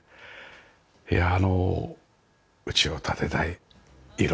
いやあの家を建てたい。